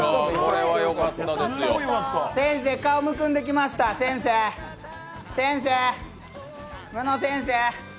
先生、顔むくんできました、先生、むの先生。